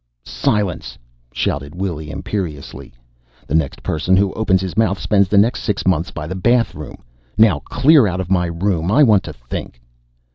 "Silence!" shouted Willy imperiously. "The next person who opens his mouth spends the next sixth months by the bathroom. Now clear out of my room. I want to think."